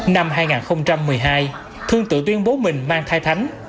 năm hai nghìn một mươi hai thương tự tuyên bố mình mang thai thánh